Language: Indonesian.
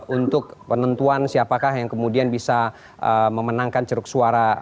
untuk penentuan siapakah yang kemudian bisa memenangkan ceruk suara